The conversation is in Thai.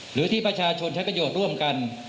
หรือที่ประชาชนใช้ประโยชน์ร่วมกัน